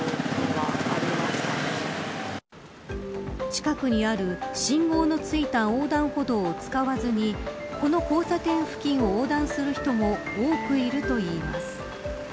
近くにある信号の付いた横断歩道を使わずにこの交差点付近を横断する人も多くいるといいます。